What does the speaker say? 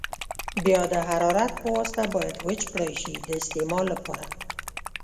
بیا د حرارت په واسطه باید وچ کړای شي د استعمال لپاره.